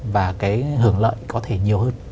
và cái hưởng lợi có thể nhiều hơn